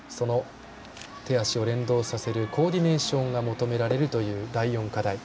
手足を連動させるコーディネーションが求められるという第４課題。